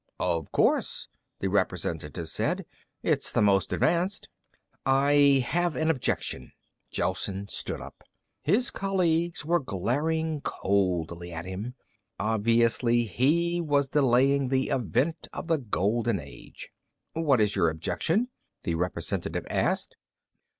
"Of course," the representative said. "It's the most advanced." "I have an objection." Gelsen stood up. His colleagues were glaring coldly at him. Obviously he was delaying the advent of the golden age. "What is your objection?" the representative asked.